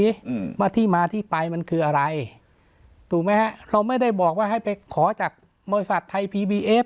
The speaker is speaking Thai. อืมว่าที่มาที่ไปมันคืออะไรถูกไหมฮะเราไม่ได้บอกว่าให้ไปขอจากบริษัทไทยพีบีเอฟ